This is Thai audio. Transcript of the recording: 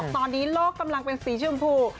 ตอนนี้โลกกำลังเป็นสีชมพู